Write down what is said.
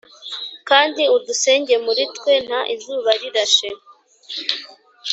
kandi udusenge muri twe. nta izuba rirashe